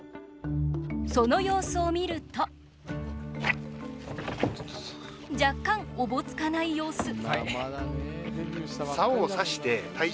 その様子を見ると若干おぼつかない様子。